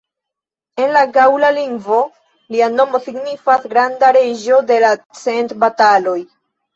En la gaŭla lingvo lia nomo signifas "granda reĝo de la cent bataloj".